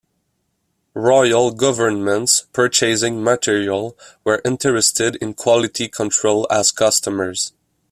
Royal governments purchasing material were interested in quality control as customers.